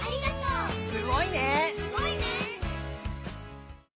「すごいね」